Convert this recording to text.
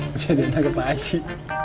bisa dirumah pak haji